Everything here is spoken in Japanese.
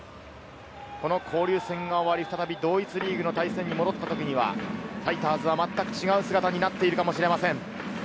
この交流戦が終わり、再び同一リーグの対戦に戻った時には、ファイターズはまったく違う姿になっているかもしれません。